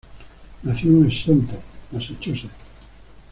Nació en Sutton, Massachusetts.